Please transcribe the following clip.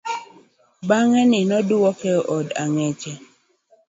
Bangaini oduok eod angech